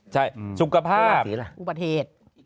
ใช่สุขภาพอุปเทศ